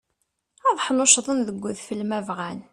Ad ḥnuccḍen deg udfel ma bɣan.